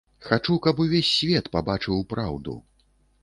Хачу, каб увесь свет пабачыў праўду.